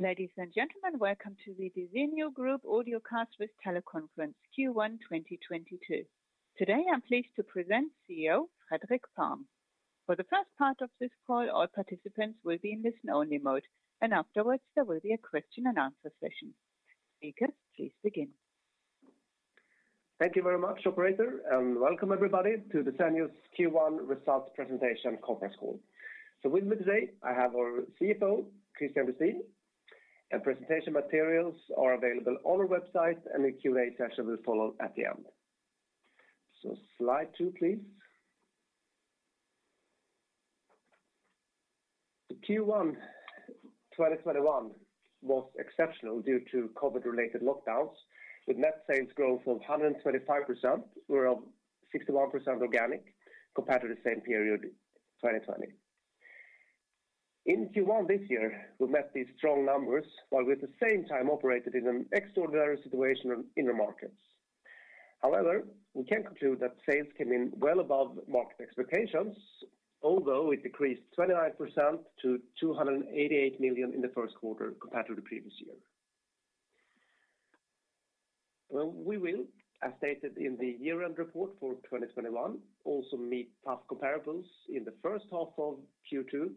Ladies and gentlemen, welcome to the Desenio Group Audio Cast with Teleconference Q1 2022. Today, I'm pleased to present CEO, Fredrik Palm. For the first part of this call, all participants will be in listen-only mode, and afterwards there will be a question-and-answer session. Speaker, please begin. Thank you very much, operator, and welcome everybody to Desenio's Q1 results presentation conference call. With me today, I have our CFO, Kristian Lustin. Presentation materials are available on our we bsite and the Q&A session will follow at the end. Slide two, please. The Q1 2021 was exceptional due to COVID-related lockdowns, with net sales growth of 125% or 61% organic compared to the same period 2020. In Q1 this year, we met these strong numbers while at the same time operated in an extraordinary situation in the markets. However, we can conclude that sales came in well above market expectations, although it decreased 29% to 288 million in the first quarter compared to the previous year. We will, as stated in the year-end report for 2021, also meet tough comparables in the first half of Q2,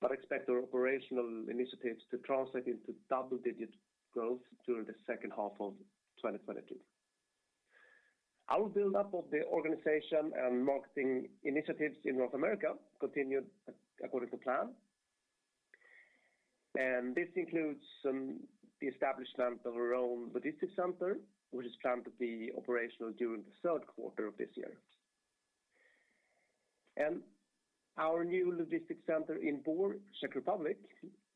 but expect our operational initiatives to translate into double-digit growth during the second half of 2022. Our build-up of the organization and marketing initiatives in North America continued according to plan. This includes the establishment of our own logistics center, which is planned to be operational during the third quarter of this year. Our new logistics center in Bor, Czech Republic,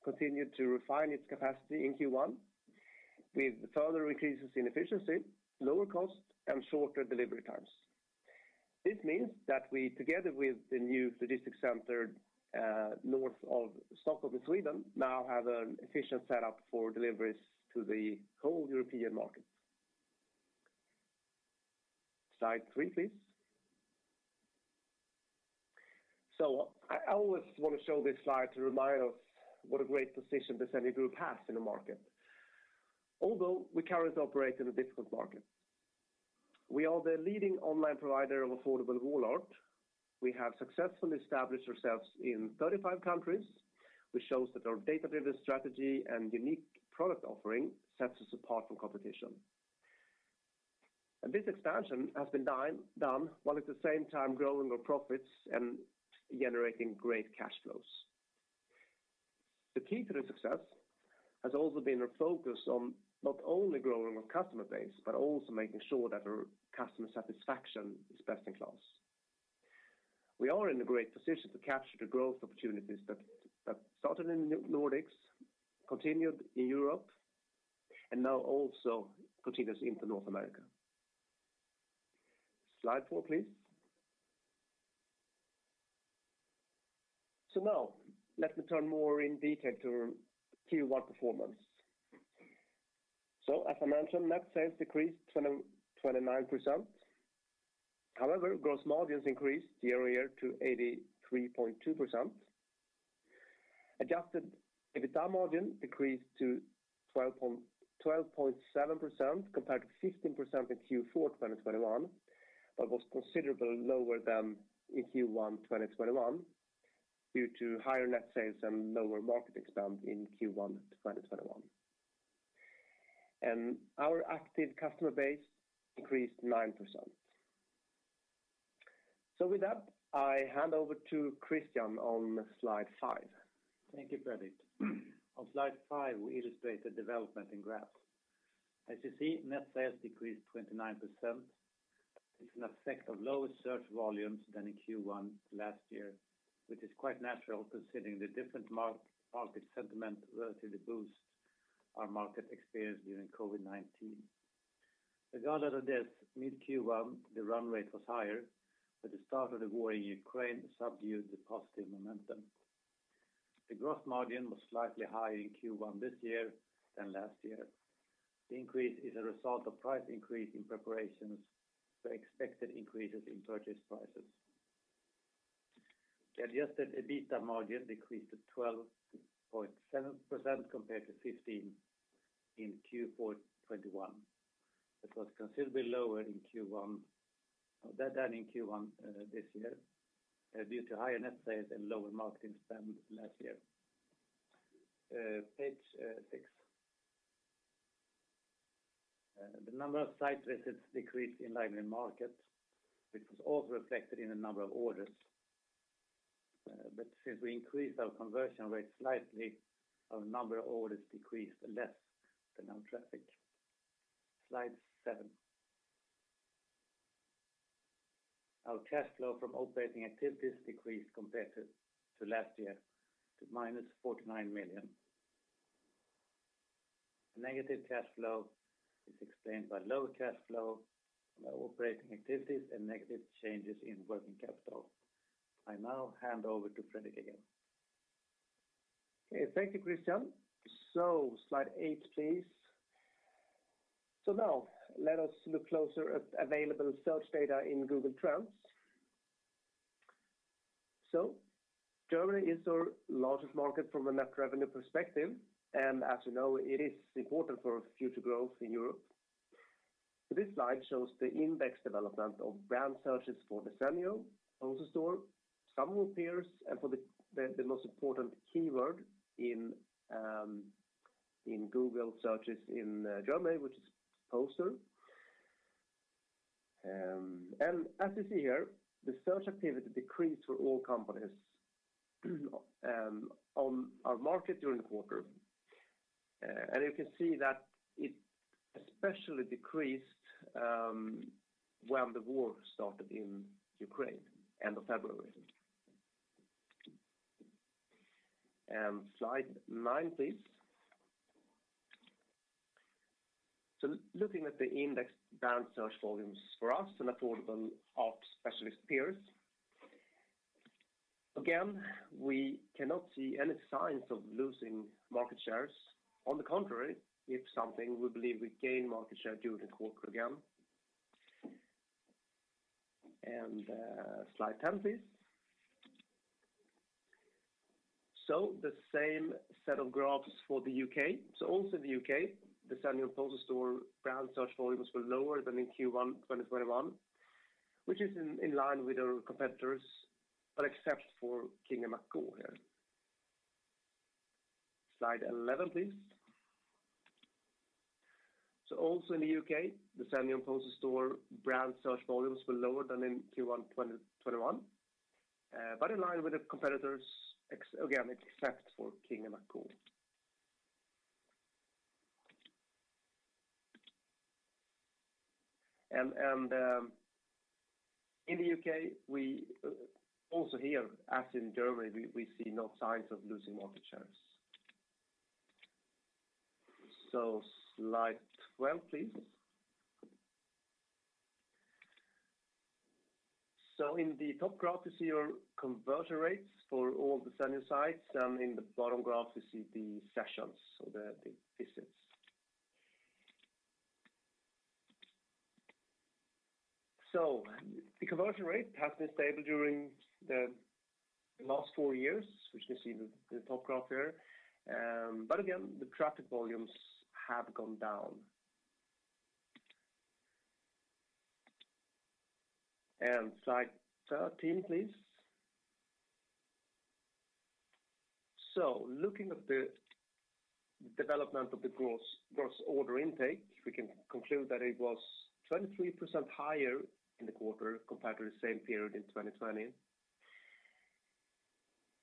continued to refine its capacity in Q1 with further increases in efficiency, lower cost, and shorter delivery times. This means that we, together with the new logistics center north of Stockholm in Sweden, now have an efficient setup for deliveries to the whole European market. Slide three, please. I always want to show this slide to remind us what a great position Desenio Group has in the market. Although we currently operate in a difficult market. We are the leading online provider of affordable wall art. We have successfully established ourselves in 35 countries, which shows that our data-driven strategy and unique product offering sets us apart from competition. This expansion has been done while at the same time growing our profits and generating great cash flows. The key to the success has also been our focus on not only growing our customer base, but also making sure that our customer satisfaction is best in class. We are in a great position to capture the growth opportunities that started in the Nordics, continued in Europe, and now also continues into North America. Slide four, please. Now let me turn more in detail to our Q1 performance. As I mentioned, net sales decreased 29%. However, gross margins increased year-over-year to 83.2%. Adjusted EBITDA margin decreased to 12.7% compared to 15% in Q4 2021, but was considerably lower than in Q1 2021 due to higher net sales and lower marketing spend in Q1 2021. Our active customer base increased 9%. With that, I hand over to Kristian on slide five. Thank you, Fredrik. On slide five, we illustrate the development in graphs. As you see, net sales decreased 29%. It's an effect of lower search volumes than in Q1 last year, which is quite natural considering the different market sentiment relative to boost our market experience during COVID-19. Regardless of this, mid Q1, the run rate was higher, but the start of the war in Ukraine subdued the positive momentum. The gross margin was slightly higher in Q1 this year than last year. The increase is a result of price increase in preparations for expected increases in purchase prices. The adjusted EBITDA margin decreased to 12.7% compared to 15% in Q4 2021. It was considerably lower in Q1 than in Q1 this year due to higher net sales and lower marketing spend last year. Page six. The number of site visits decreased in lively markets, which was also reflected in the number of orders. Since we increased our conversion rate slightly, our number of orders decreased less than our traffic. Slide seven. Our cash flow from operating activities decreased compared to last year to -49 million. The negative cash flow is explained by lower cash flow from our operating activities and negative changes in working capital. I now hand over to Fredrik again. Okay. Thank you, Kristian. Slide eight, please. Now let us look closer at available search data in Google Trends. Germany is our largest market from a net revenue perspective, and as you know, it is important for future growth in Europe. This slide shows the index development of brand searches for Desenio, Poster Store, some peers, and for the most important keyword in Google searches in Germany, which is poster. As you see here, the search activity decreased for all companies on our market during the quarter. You can see that it especially decreased when the war started in Ukraine, end of February. Slide nine, please. Looking at the index brand search volumes for us and affordable art specialist peers. Again, we cannot see any signs of losing market shares. On the contrary, we believe we gain market share during the quarter again. Slide 10, please. The same set of graphs for the U.K. Also in the U.K., Desenio and Poster Store brand search volumes were lower than in Q1 2021, which is in line with our competitors, but except for King & McGaw here. Slide 11, please. Also in the U.K., Desenio and Poster Store brand search volumes were lower than in Q1 2021, but in line with the competitors, except for King & McGaw. In the U.K., we also here, as in Germany, see no signs of losing market shares. Slide 12, please. In the top graph, you see your conversion rates for all the Desenio sites, and in the bottom graph you see the sessions, the visits. The conversion rate has been stable during the last four years, which you see the top graph here. Again, the traffic volumes have gone down. Slide 13, please. Looking at the development of the gross order intake, we can conclude that it was 23% higher in the quarter compared to the same period in 2020.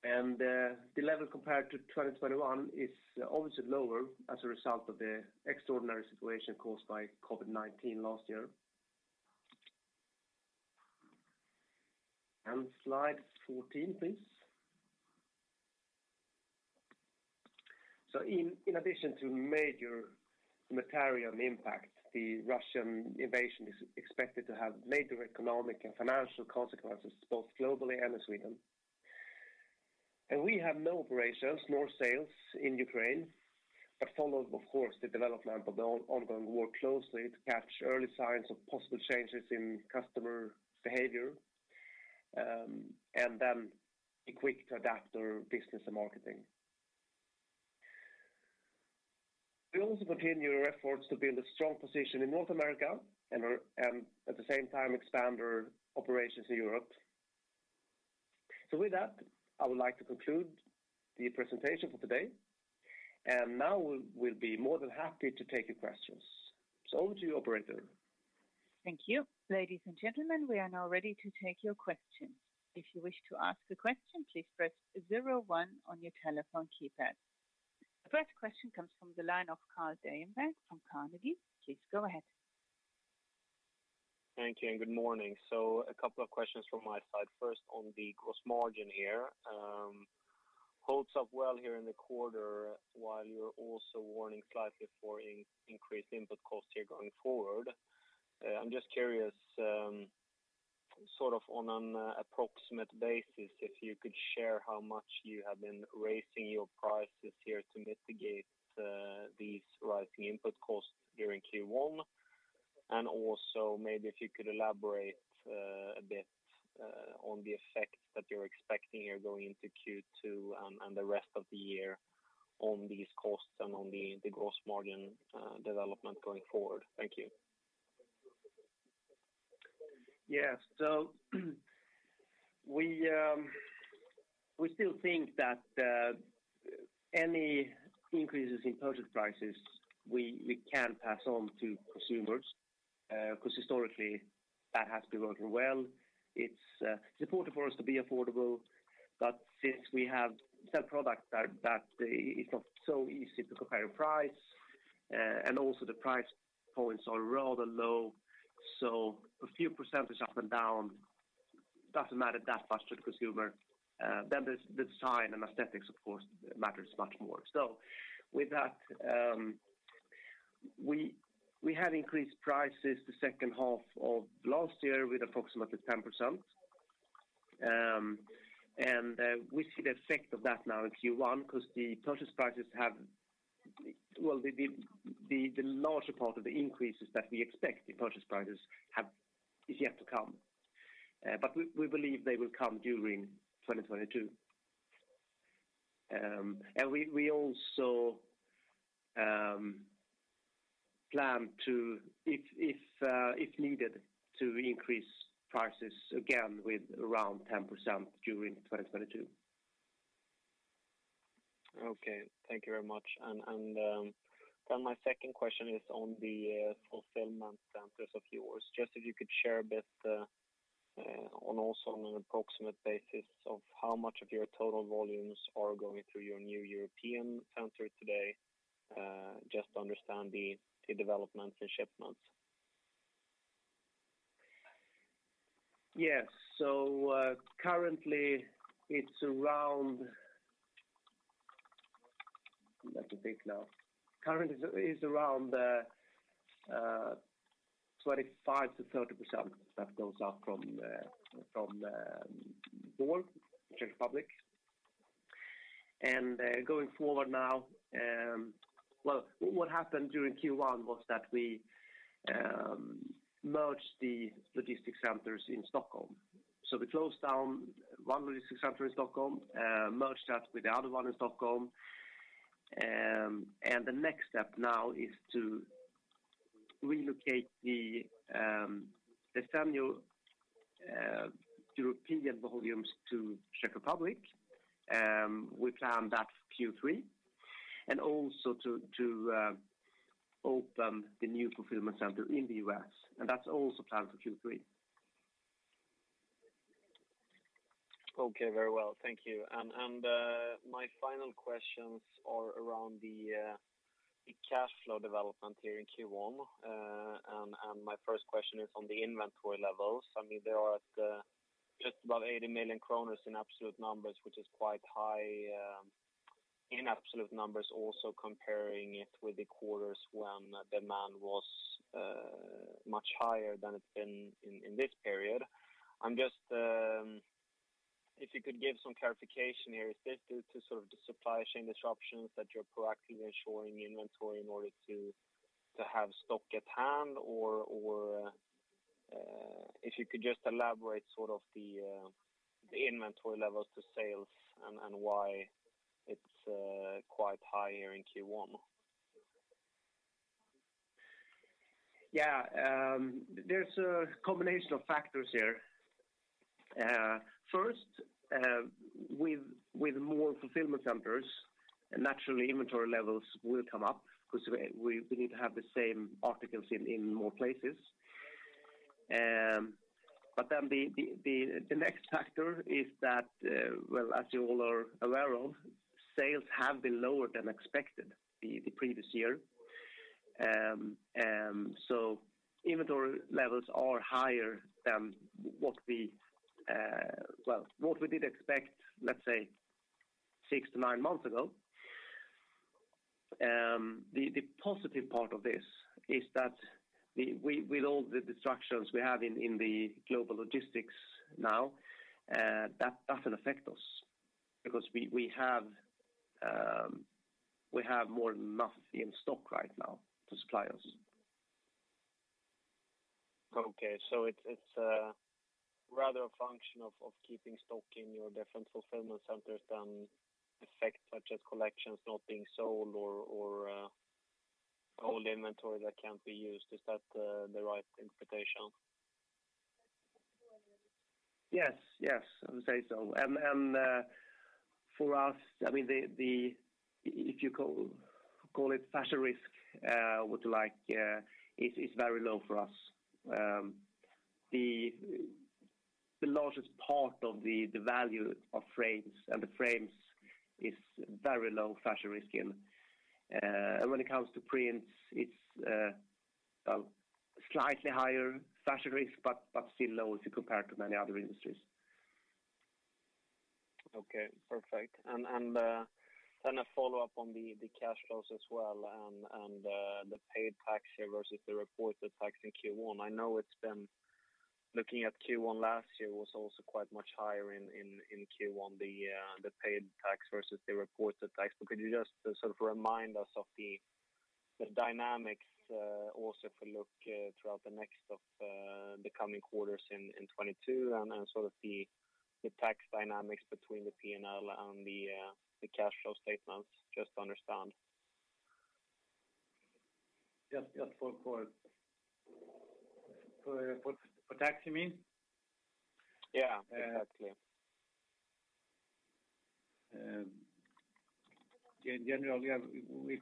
The level compared to 2021 is obviously lower as a result of the extraordinary situation caused by COVID-19 last year. Slide 14, please. In addition to major material impact, the Russian invasion is expected to have major economic and financial consequences both globally and in Sweden. We have no operations nor sales in Ukraine, but we follow, of course, the development of the ongoing war closely to catch early signs of possible changes in customer behavior, and then be quick to adapt our business and marketing. We also continue our efforts to build a strong position in North America and, at the same time, expand our operations in Europe. With that, I would like to conclude the presentation for today. Now we'll be more than happy to take your questions. Over to you, operator. Thank you. Ladies and gentlemen, we are now ready to take your questions. If you wish to ask a question, please press zero one on your telephone keypad. The first question comes from the line of Carl Deijenberg from Carnegie. Please go ahead. Thank you, and good morning. A couple of questions from my side. First on the gross margin here, holds up well here in the quarter while you're also warning slightly for increased input costs here going forward. I'm just curious, sort of on an approximate basis, if you could share how much you have been raising your prices here to mitigate these rising input costs during Q1. Also maybe if you could elaborate a bit on the effects that you're expecting here going into Q2 and the rest of the year on these costs and on the gross margin development going forward. Thank you. We still think that any increases in purchase prices we can pass on to consumers because historically that has been working well. It's important for us to be affordable. Since we have some products that it's not so easy to compare price and also the price points are rather low, so a few percent up and down doesn't matter that much to the consumer. Then the design and aesthetics of course matters much more. With that, we have increased prices the second half of last year with approximately 10%. We see the effect of that now in Q1 because the larger part of the increases that we expect the purchase prices to have is yet to come. We believe they will come during 2022. We also plan to, if needed, increase prices again with around 10% during 2022. Okay. Thank you very much. My second question is on the fulfillment centers of yours. Just if you could share a bit, on also on an approximate basis of how much of your total volumes are going through your new European center today, just to understand the developments and shipments. Yes. Currently it's around 25%-30% that goes out from Bor, Czech Republic. Going forward now, what happened during Q1 was that we merged the logistics centers in Stockholm. We closed down one logistics center in Stockholm, merged that with the other one in Stockholm. The next step now is to relocate the Stockholm European volumes to Czech Republic. We plan that Q3. Also to open the new fulfillment center in the U.S., and that's also planned for Q3. Okay. Very well. Thank you. My final questions are around the cash flow development here in Q1. My first question is on the inventory levels. I mean, they are at just above 80 million kronor in absolute numbers, which is quite high in absolute numbers also comparing it with the quarters when demand was much higher than it's been in this period. I'm just if you could give some clarification here, is this due to sort of the supply chain disruptions that you're proactively ensuring the inventory in order to have stock at hand? If you could just elaborate sort of the inventory levels to sales and why it's quite high here in Q1. Yeah. There's a combination of factors here. First, with more fulfillment centers, naturally inventory levels will come up because we need to have the same articles in more places. But then the next factor is that, well, as you all are aware of, sales have been lower than expected the previous year. Inventory levels are higher than what we did expect, let's say 6-9 months ago. The positive part of this is that we with all the disruptions we have in the global logistics now, that doesn't affect us because we have more than enough in stock right now to supply us. Okay. It's rather a function of keeping stock in your different fulfillment centers than effects such as collections not being sold or old inventory that can't be used. Is that the right interpretation? Yes, I would say so. For us, I mean, if you call it fashion risk is very low for us. The largest part of the value of frames is very low fashion risk in. When it comes to prints, it's well, slightly higher fashion risk, but still low if you compare to many other industries. Okay, perfect. Then a follow-up on the cash flows as well and the paid tax versus the reported tax in Q1. I know it's been looking at Q1 last year was also quite much higher in Q1, the paid tax versus the reported tax. Could you just sort of remind us of the dynamics, also if we look throughout the next few the coming quarters in 2022 and sort of the tax dynamics between the P&L and the cash flow statements, just to understand. Just for tax you mean? Yeah, exactly. In general, we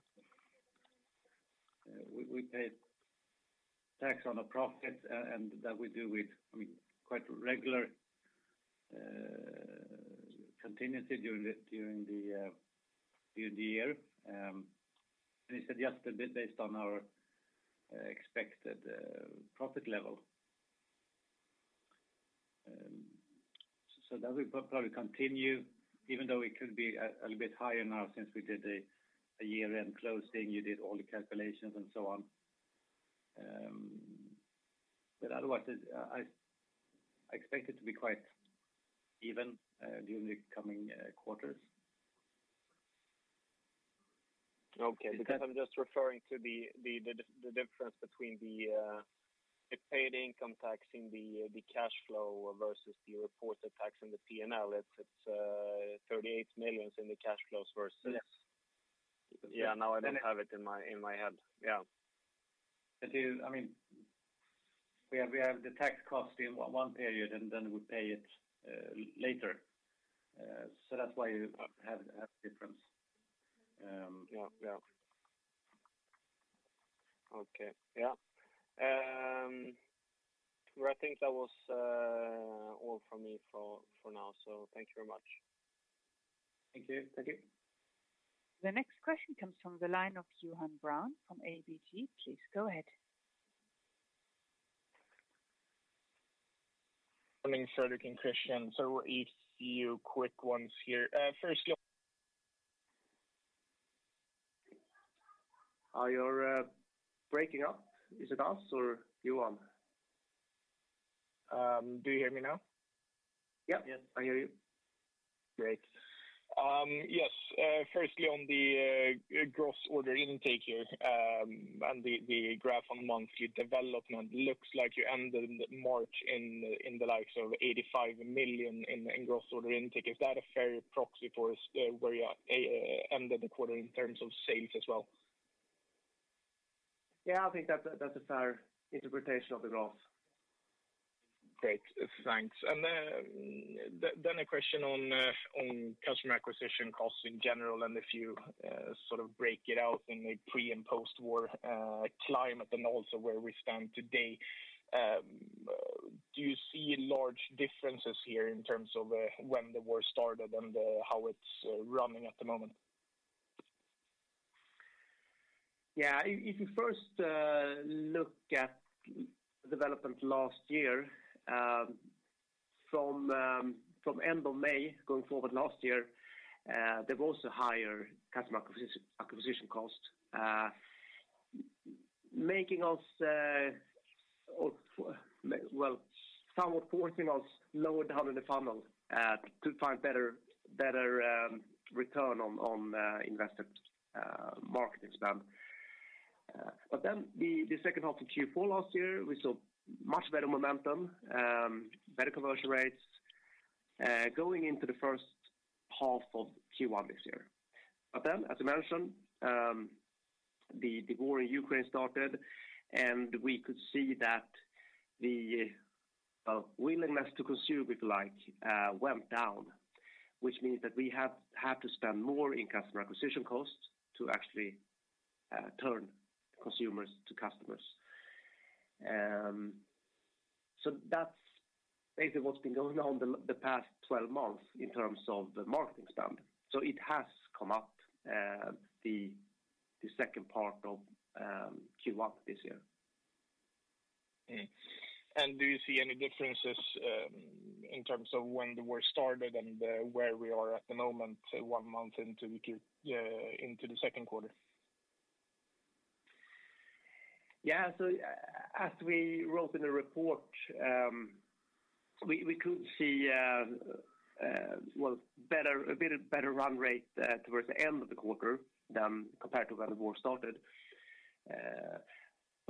pay tax on a profit, and that we do with, I mean, quite regularly, continuously during the year. It's adjusted a bit based on our expected profit level. That will probably continue, even though it could be a little bit higher now since we did a year-end closing, you did all the calculations and so on. Otherwise, I expect it be quite even during the coming quarters. Okay. Because I'm just referring to the difference between the paid income tax in the cash flow versus the reported tax in the P&L. It's 38 million in the cash flows versus. Yes. Yeah. Now I don't have it in my head. Yeah. I mean, we have the tax cost in one period, and then we pay it later. That's why you have difference. Yeah. Yeah. Okay. Yeah. Well, I think that was all from me for now. Thank you very much. Thank you. Thank you. The next question comes from the line of Johan Brown from ABG. Please go ahead. Good morning Fredrik and Kristian. A few quick ones here. You're breaking up. Is it us or Johan? Do you hear me now? Yeah. Yeah. I hear you. Great. Yes. Firstly on the gross order intake here, and the graph on monthly development. Looks like you ended March in the likes of 85 million in gross order intake. Is that a fair proxy for us, where you ended the quarter in terms of sales as well? Yeah, I think that's a fair interpretation of the growth. Great. Thanks. Then a question on customer acquisition costs in general, and if you sort of break it out in a pre and post-war climate and also where we stand today. Do you see large differences here in terms of when the war started and how it's running at the moment? Yeah. If you first look at development last year, from end of May going forward last year, there was a higher customer acquisition cost, making us, well, somewhat forcing us lower down in the funnel to find better return on invested marketing spend. The second half of Q4 last year, we saw much better momentum, better conversion rates, going into the first half of Q1 this year. As you mentioned, the war in Ukraine started, and we could see that the willingness to consume, if you like, went down, which means that we have had to spend more in customer acquisition costs to actually turn consumers to customers. That's basically what's been going on the past 12 months in terms of the marketing spend. It has come up in the second part of Q1 this year. Do you see any differences in terms of when the war started and where we are at the moment, one month into the second quarter? Yeah. As we wrote in the report, we could see a bit better run rate towards the end of the quarter than compared to when the war started.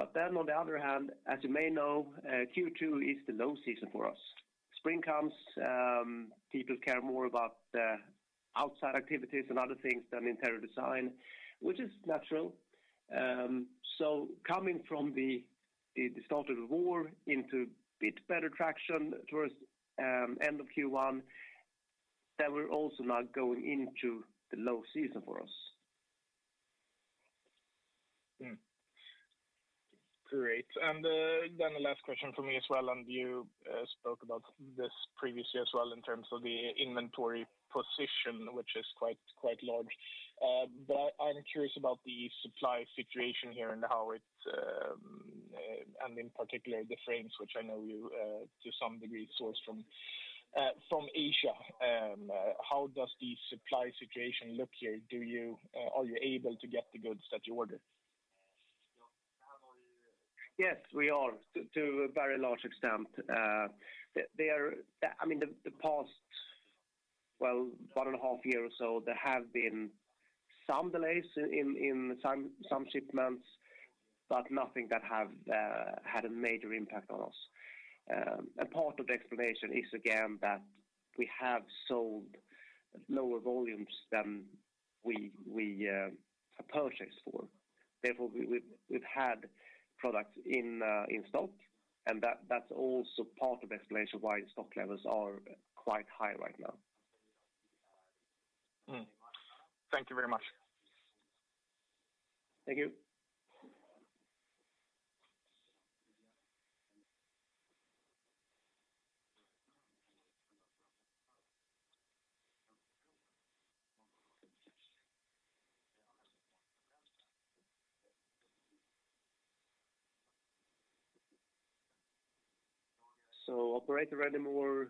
On the other hand, as you may know, Q2 is the low season for us. Spring comes, people care more about outside activities and other things than interior design, which is natural. Coming from the start of the war into a bit better traction towards end of Q1, we're also now going into the low season for us. Then the last question for me as well, and you spoke about this previously as well in terms of the inventory position, which is quite large. But I'm curious about the supply situation here and how it, and in particular the frames which I know you to some degree source from from Asia. How does the supply situation look here? Are you able to get the goods that you ordered? Yes, we are to a very large extent. They are. I mean, the past, well, 1.5 years or so, there have been some delays in some shipments, but nothing that have had a major impact on us. A part of the explanation is again that we have sold lower volumes than we purchased for. Therefore, we've had products in stock, and that's also part of the explanation why stock levels are quite high right now. Thank you very much. Thank you. Operator, any more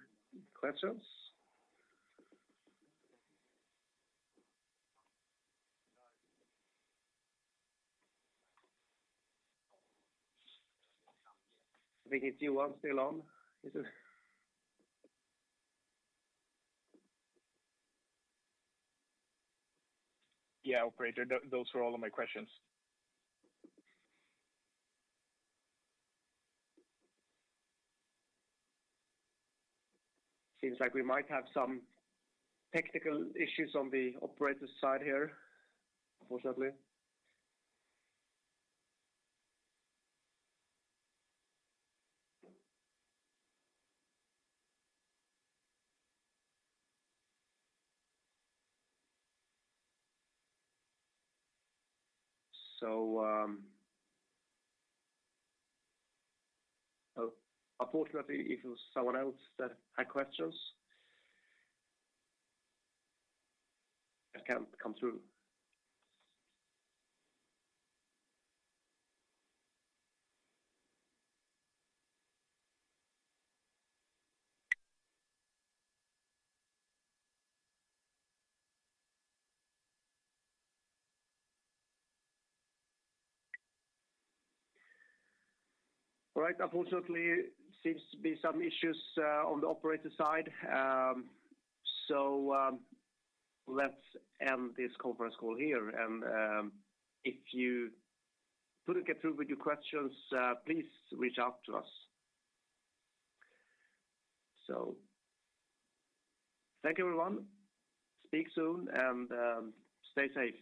questions? I think it's Johan still on. Is it? Yeah, operator. Those were all of my questions. Seems like we might have some technical issues on the operator side here, unfortunately. Unfortunately, if it was someone else that had questions that can't come through. All right. Unfortunately, seems to be some issues on the operator side. Let's end this conference call here. If you couldn't get through with your questions, please reach out to us. Thank you everyone. Speak soon and stay safe.